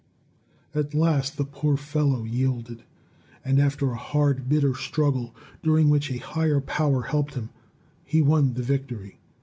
At last the poor fellow yielded. And after a hard, bitter struggle, during which a higher power helped him, he won the victory.